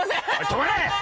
止まれ！